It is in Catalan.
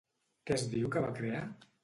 Què es diu que va crear?